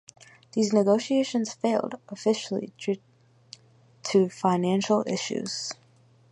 These negotiations failed, officially due to financial issues.